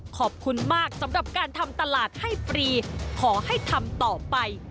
ขอบคุณมากสำหรับการทำตลาดให้ฟรีขอให้ทำต่อไป